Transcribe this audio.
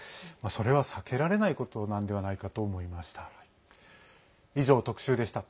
それは避けられないことなのではないかと思いました。